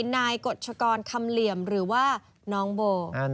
นายกฎชกรคำเหลี่ยมหรือว่าน้องโบ